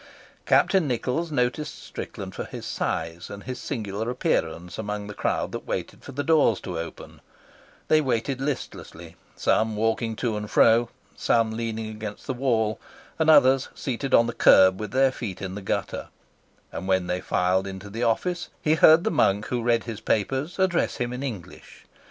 Captain Nichols noticed Strickland for his size and his singular appearance among the crowd that waited for the doors to open; they waited listlessly, some walking to and fro, some leaning against the wall, and others seated on the curb with their feet in the gutter; and when they filed into the office he heard the monk who read his papers address him in English.